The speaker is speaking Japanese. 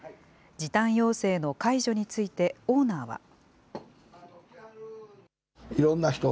時短要請の解除について、オーナーは。